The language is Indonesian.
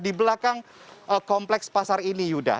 di belakang kompleks pasar ini yuda